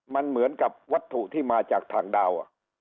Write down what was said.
มันเหมือนกับวัตถุที่มาจากทางดาว